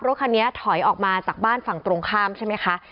รถคันนี้ถอยออกมาจากบ้านฝั่งตรงข้ามใช่ไหมคะ